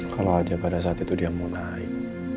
kalau pada saat itu dia mau naik